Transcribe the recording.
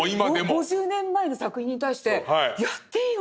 ５０年前の作品に対してやっていいの？